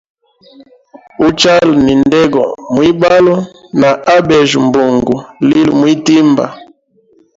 Uchala ni ndego mwibalo na abejya mbungu lili mwitimba.